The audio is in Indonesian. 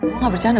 lo gak bercanda